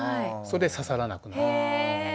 それで刺さらなくなる。